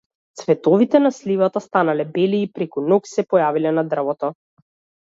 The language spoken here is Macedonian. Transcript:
Цветовите на сливата станале бели и преку ноќ се појавиле на дрвото.